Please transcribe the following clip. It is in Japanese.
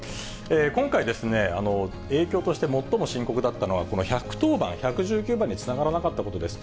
今回、影響として最も深刻だったのは、この１１０番、１１９番につながらなかったことです。